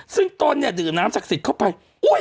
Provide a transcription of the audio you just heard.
ซึ่งต้นเนี่ยดื่มน้ำศักดิ์สิทธิ์เข้าไป